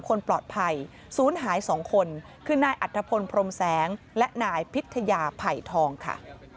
คนปลอดภัยศูนย์หาย๒คนคือนายอัธพลพรมแสงและนายพิทยาไผ่ทองค่ะ